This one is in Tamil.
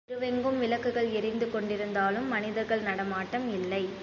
தெருவெங்கும் விளக்குகள் எரிந்து கொண்டிருந்தாலும், மனிதர்கள் நடமாட்டம் இல்லை.